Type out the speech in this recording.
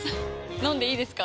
飲んでいいですか？